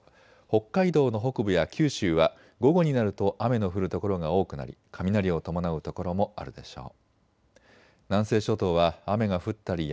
北海道の北部や九州は午後になると雨の降る所が多くなり雷を伴う所もあるでしょう。